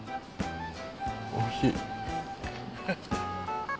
おいしい。